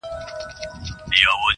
پر وطن باندي موږ تېر تر سر او تن یو!!